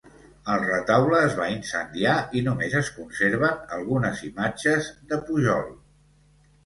El retaule es va incendiar i només es conserven algunes imatges de Pujol.